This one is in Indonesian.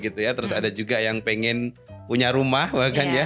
terus ada juga yang pengen punya rumah bahkan ya